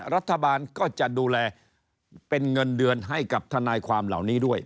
รัฐบาลก็จะดูแลเป็นเงินเดือนให้กับทนายความเหล่านี้ด้วย